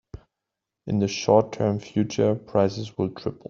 In the short term future, prices will triple.